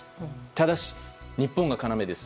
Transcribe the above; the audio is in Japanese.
ただし、日本が要です。